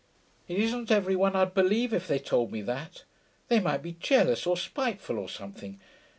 It isn't every one I'd believe if they told me that; they might be jealous or spiteful or something.